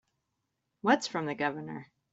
What's from the Governor?